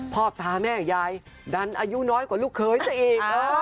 พ่อตาแม่ยายดันอายุน้อยกว่าลูกเคยซะอีก